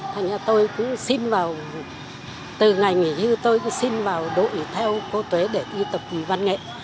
thành ra tôi cũng xin vào từ ngày nghỉ hư tôi cũng xin vào đội theo cô tuế để đi tập văn nghệ